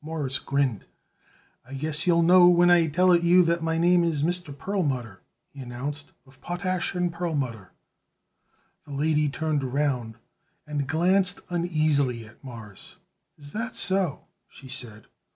Morris grinned. "I guess you'll know when I tell it you that my name is Mr. Perlmutter," he announced, "of Potash & Perlmutter." The lady turned around and glanced uneasily at Morris. "Is that so?" she said.